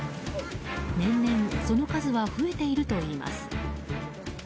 年々その数は増えているといいます。